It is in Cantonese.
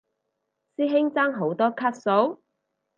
師兄爭好多卡數？